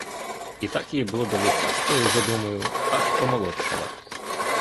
І так їй було до лиця з тою задумою, аж помолодшала.